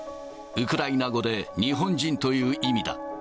ウクライナ語で、日本人という意味だ。